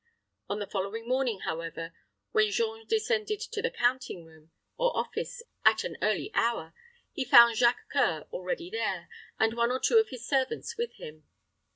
On the following morning, however, when Jean descended to the counting room, or office, at an early hour, he found Jacques C[oe]ur already there, and one or two of his servants with him.